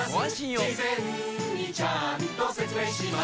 事前にちゃんと説明します